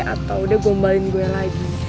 atau udah gombalin gue lagi